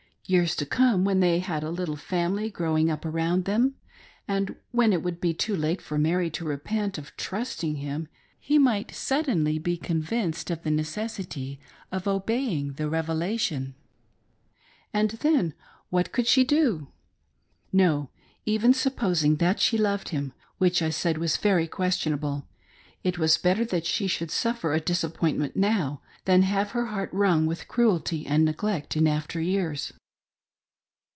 Years to come> when they had a little family growing; lip around them, and when it would be too late for Mary to fepient of trusting him, h© might suddenly be convinced of' the necessity of obeying the Revelation, and then, what could she do ? No! Even supposing that she loved him, which, I said, was Very questionable, it was better that she should suf fer a disappointmrat now than have her heart wrung, with; cruelty and neglect in aftfer years.